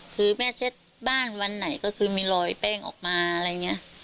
คือแม่เช็ดบ้านวันไหนก็คือมีรอยแป้งออกมาอะไรอย่างนี้